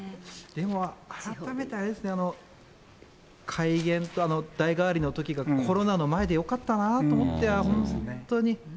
改めてあれですね、改元、代替わりのときがコロナの前でよかったなと思って、本当に。